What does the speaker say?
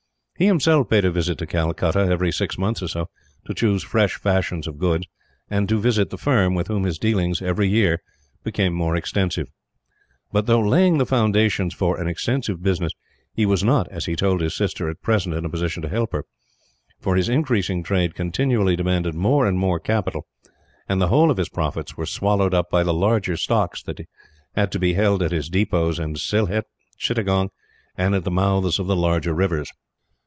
He himself paid a visit to Calcutta, every six months or so, to choose fresh fashions of goods; and to visit the firm, with whom his dealings, every year, became more extensive. But, though laying the foundations for an extensive business, he was not, as he told his sister, at present in a position to help her; for his increasing trade continually demanded more and more capital, and the whole of his profits were swallowed up by the larger stocks that had to be held at his depots at Sylhet, Chittagong, and at the mouths of the larger rivers.